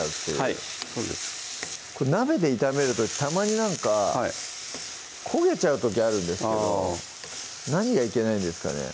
はいそうです鍋で炒める時たまになんか焦げちゃう時あるんですけど何がいけないんですかね